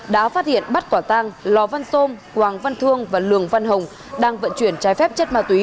đã phát hiện bắt quả tang lò văn sôm quảng văn thương và lường văn hồng đang vận chuyển trái phép chất ma túy